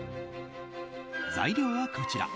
材料はこちら。